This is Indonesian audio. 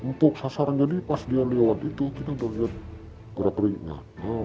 empuk sasaran jadi pas dia lewat itu kita udah lihat gerak ringan